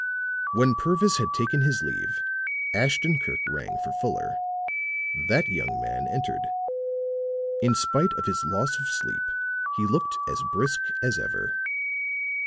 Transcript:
When Purvis had taken his leave, Ashton Kirk rang for Fuller. That young man entered; in spite of his loss of sleep he looked as brisk as ever.